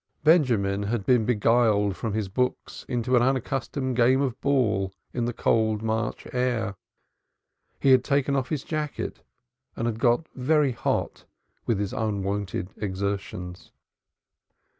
Benjamin had been beguiled from his books into an unaccustomed game of ball in the cold March air. He had taken off his jacket and had got very hot with his unwonted exertions.